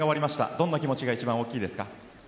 どんな気持ちが一番大きいですか？